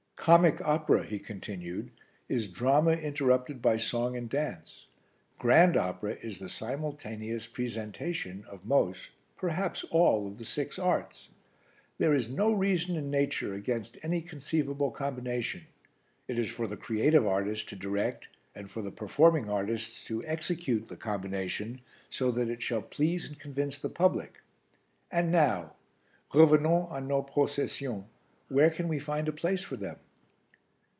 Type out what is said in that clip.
"Comic opera," he continued, "is drama interrupted by song and dance. Grand opera is the simultaneous presentation of most, perhaps all, of the six arts. There is no reason in nature against any conceivable combination; it is for the creative artist to direct and for the performing artists to execute the combination so that it shall please and convince the public. And now, revenons a nos processions, where can we find a place for them?"